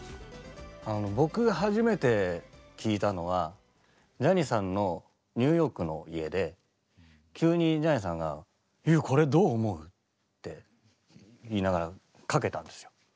僕初めて聴いたのはジャニーさんのニューヨークの家で急にジャニーさんが「ＹＯＵこれどう思う？」って言いながらかけたんですよ。